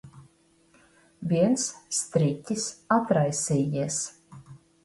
Viens striķis atraisījies.